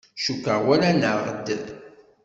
Cukkeɣ walan-aɣ-d.